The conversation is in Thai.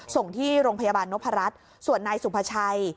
ส่งที่โรงพยาบาลนพรัชส่วนนายสุภาชัย